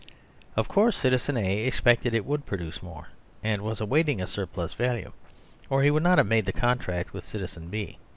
Of course citizen A expected it would produce more, and was awaiting a surplus value, or he would not have made the contract with citizen B.